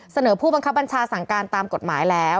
ผู้บังคับบัญชาสั่งการตามกฎหมายแล้ว